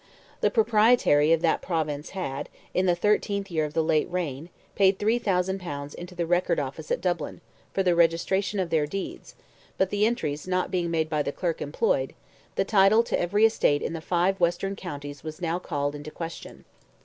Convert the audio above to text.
The proprietary of that Province had, in the thirteenth year of the late reign, paid 3,000 pounds into the Record Office at Dublin, for the registration of their deeds, but the entries not being made by the clerk employed, the title to every estate in the five western counties was now called in question.